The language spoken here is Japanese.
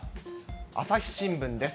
朝日新聞です。